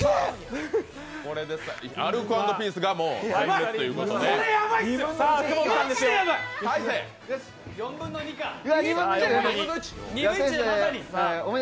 アルコ＆ピースが全滅ということで。